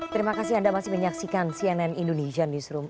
terima kasih anda masih menyaksikan cnn indonesian newsroom